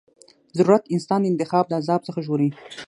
ضرورت انسان د انتخاب د عذاب څخه ژغوري.